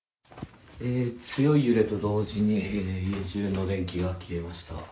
強い揺れと同時に家中の電気が消えました。